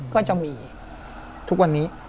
ก็จะมี